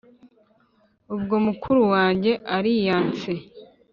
ubwo mukuru wanjye aliyanse